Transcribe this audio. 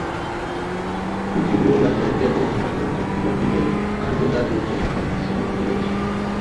খুব শীঘ্রই রাজশাহী থেকে কোলকাতা পর্যন্ত একটি যাত্রীদের আন্তর্জাতিক ট্রেন সার্ভিস চালু হতে যাচ্ছে।